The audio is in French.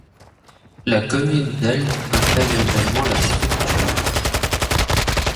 La commune d'Elne intègre également la structure.